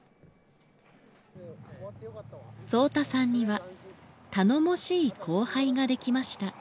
颯太さんには頼もしい後輩ができました。